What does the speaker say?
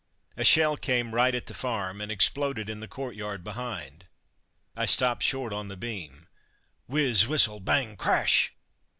a shell came right at the farm, and exploded in the courtyard behind. I stopped short on the beam. Whizz, whistle, bang, crash!